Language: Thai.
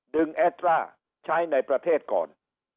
ดึงแอดร่าใช้ในประเทศก่อน